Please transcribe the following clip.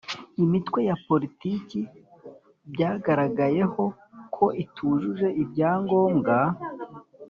imitwe ya politiki byagaragayeho ko itujuje ibyangombwa